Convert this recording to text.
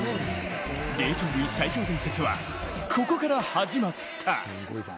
霊長類最強伝説はここから始まった！